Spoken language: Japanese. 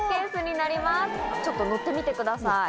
ちょっと乗ってみてください。